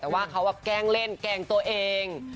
แต่ว่าเขาแกล้งเล่นแกล้งตัวเอง